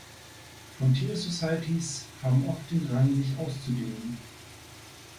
Frontier Societies haben oft den Drang, sich auszudehnen.